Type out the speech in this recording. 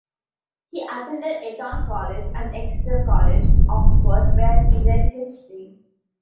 He attended Eton College and Exeter College, Oxford, where he read History.